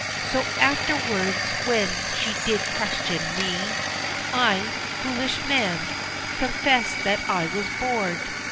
So afterwards when she did question me, I foolish man confessed that I was bored.